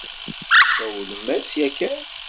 Tesawlem-as yakan?